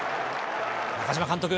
中嶋監督。